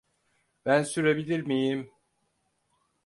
Ben sürebilir miyim?